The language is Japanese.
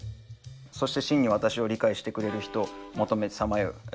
そして真に私を理解してくれる人を求めさまよう。